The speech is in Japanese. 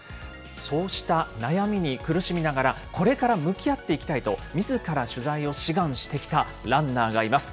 そうした悩みに苦しみながら、これから向き合っていきたいと、みずから取材を志願してきたランナーがいます。